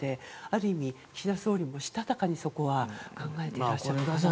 ある意味、岸田総理もしたたかにそこは考えていらっしゃると思います。